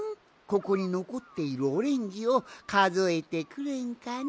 ここにのこっているオレンジをかぞえてくれんかの？